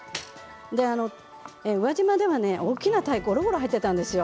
宇和島ではね大きな鯛がゴロゴロ入っていたんです。